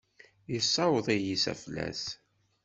Yessaweḍ-iyi s aflas.